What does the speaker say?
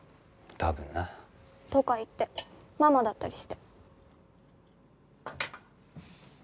多分な。とか言ってママだったりして。